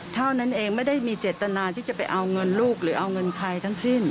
เท่านั้นเองไม่ได้มีเจตนาที่จะไปเอาเงินลูกหรือเอาเงินใครทั้งสิ้น